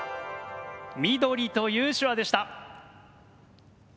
「みどり」という手話でした。